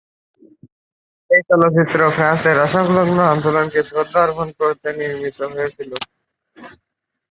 এই চলচ্চিত্র ফ্রান্সের অসংলগ্ন আন্দোলনকে শ্রদ্ধা অর্পণ করে নির্মিত হয়েছিলো।